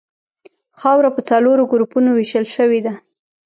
خاوره په څلورو ګروپونو ویشل شوې ده